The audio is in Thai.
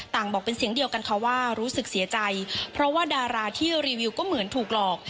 บอกเป็นเสียงเดียวกันค่ะว่ารู้สึกเสียใจเพราะว่าดาราที่รีวิวก็เหมือนถูกหลอก